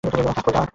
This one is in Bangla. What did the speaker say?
অহ, খোদা!